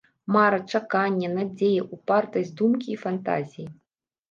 Мара, чаканне, надзея, упартасць думкі і фантазіі!